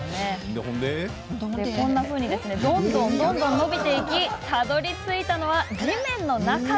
どんどんどんどん伸びていきたどりついたのは、地面の中。